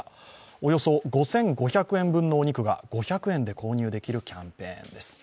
およそ５５００円分のお肉が５００円で購入できるキャンペーンです。